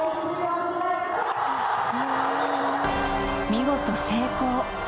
見事、成功。